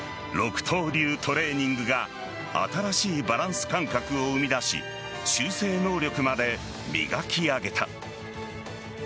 六刀流トレーニングが新しいバランス感覚を生み出し修正能力まで磨き上げた。